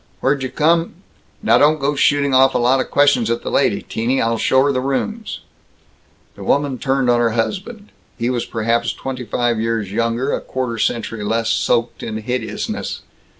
"Where d' you come " "Now don't go shooting off a lot of questions at the lady, Teenie. I'll show her the rooms." The woman turned on her husband. He was perhaps twenty five years younger; a quarter century less soaked in hideousness.